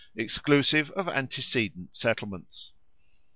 exclusive of antecedent settlements.